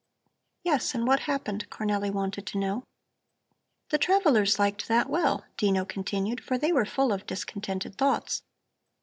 "Yes. And what happened?" Cornelli wanted to know. "The travellers liked that well," Dino continued, "for they were full of discontented thoughts.